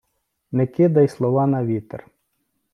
Не кидай слова на вітер.